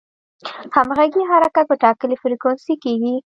همغږي حرکت په ټاکلې فریکونسي کېږي.